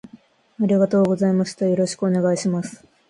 ありがとうございましたよろしくお願いします